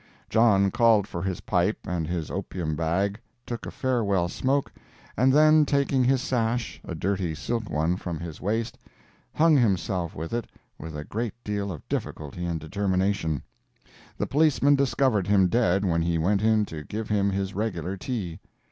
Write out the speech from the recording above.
John called for his pipe and his opium bag, took a farewell smoke, and then taking his sash, a dirty silk one, from his waist, hung himself with it, with a great deal of difficulty and determination. The Policeman discovered him dead when he went in to give him his regular tea.